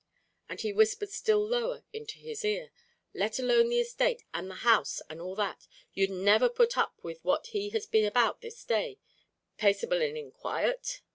And he whispered still lower into his ear, "Let alone the esthate, an' the house, an' all that, you'd niver put up with what he has been about this day, paceable an' in quiet?"